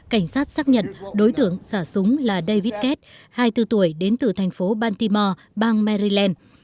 cảnh sát xác nhận đối tưởng xả súng là david kett hai mươi bốn tuổi đến từ thành phố baltimore bang maryland